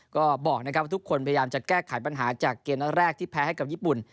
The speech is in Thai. ก็บอกนะครับว่าทุกคนพยายามจะแก้ไขปัญหาจากเกมนัดแรกที่แพ้ให้กับญี่ปุ่น